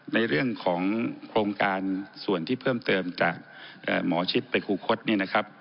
ในเรื่องของโครงการส่วนที่เพิ่มเติมจากหมอชิดไปครูคดเนี่ยนะครับ